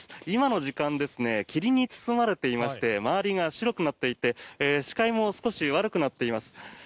今の時間、霧に包まれていまして周りが白くなっていて視界も少し悪くなっています。